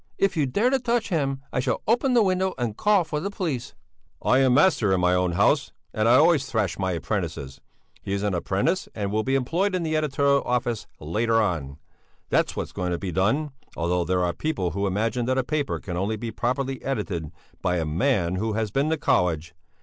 "If you dare to touch him, I shall open the window and call for the police." "I am master in my own house and I always thrash my apprentices. He is an apprentice and will be employed in the editorial office later on. That's what's going to be done, although there are people who imagine that a paper can only be properly edited by a man who has been to college.